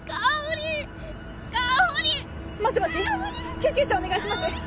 救急車お願いします